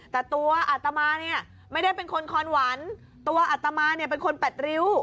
แต่ตัวอัตมาเนี่ยไม่ได้เป็นคนคอนหวันตัวอัตมาเนี่ยเป็นคนแปดริ้ว